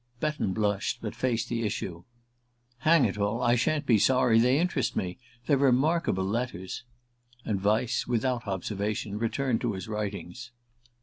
Betton blushed, but faced the issue. "Hang it all, I sha'n't be sorry. They interest me. They're remarkable letters." And Vyse, without observation, returned to his writings.